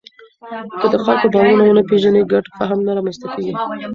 که د خلکو باورونه ونه پېژنې، ګډ فهم نه رامنځته کېږي.